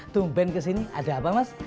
tumben kesini ada apa mas